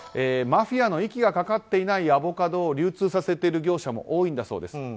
マフィアの息がかかっていないアボカドを流通させている業者も多いんだそうです。